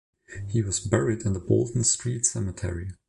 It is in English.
He was buried in the Bolton Street Cemetery.